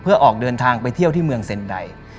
เพื่อออกเดินทางไปเที่ยวที่เมืองเซ็นได